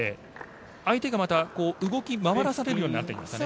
相手がまた動き回らされるようになってきていますね。